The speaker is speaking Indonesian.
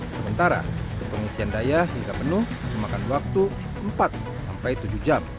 sementara untuk pengisian daya hingga penuh memakan waktu empat sampai tujuh jam